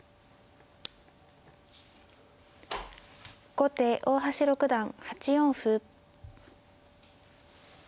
後手大橋六段８四歩。